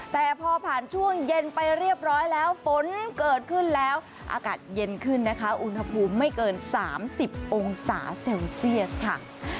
แต่พอผ่านช่วงเย็นไปเรียบร้อยแล้วฝนเกิดขึ้นแล้วอากาศเย็นขึ้นนะคะอุณหภูมิไม่เกิน๓๐องศาเซลเซียสค่ะ